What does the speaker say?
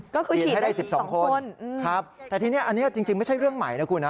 ก็คือฉีดให้ได้๑๒คนครับแต่ทีนี้อันนี้จริงไม่ใช่เรื่องใหม่นะคุณนะ